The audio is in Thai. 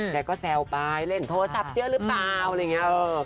แกก็แซวไปเล่นโทรศัพท์เยอะหรือเปล่าอะไรอย่างนี้